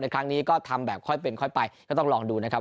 ครั้งนี้ก็ทำแบบค่อยเป็นค่อยไปก็ต้องลองดูนะครับ